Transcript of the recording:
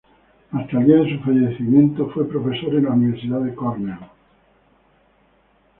Hasta el día de su fallecimiento, fue profesor en la Universidad de Cornell.